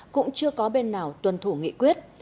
cũng chưa có bên nào tuân thủ nghị quyết